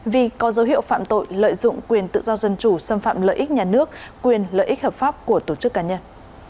vì có dấu hiệu phạm tội lợi dụng quyền tự do dân chủ xâm phạm lợi ích nhà nước quyền lợi ích hợp pháp của tổ chức cá nhân